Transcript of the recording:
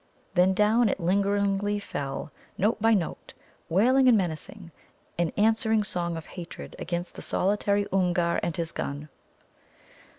Then down it lingeringly fell, note by note, wailing and menacing, an answering song of hatred against the solitary Oomgar and his gun.